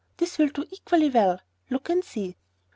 This will do equally well. Look and see."